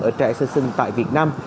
ở trẻ sơ sinh tại việt nam